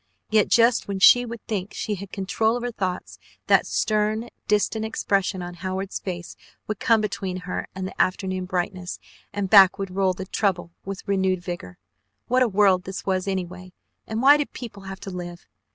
Yet just when she would think she had control of her thoughts, that stern, distant expression on Howard's face would come between her and the afternoon brightness, and back would roll the trouble with renewed vigor. What a world this was anyway and why did people have to live?